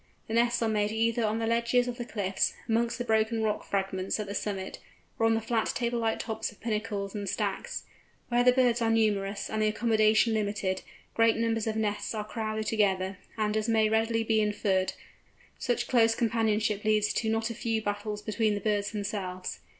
The nests are made either on the ledges of the cliffs, amongst the broken rock fragments at the summit, or on the flat table like tops of pinnacles and stacks. Where the birds are numerous and the accommodation limited, great numbers of nests are crowded together; and as may readily be inferred, such close companionship leads to not a few battles between the birds themselves.